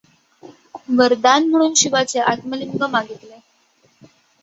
वरदान म्हणून शिवाचे आत्मलिंग मागितले.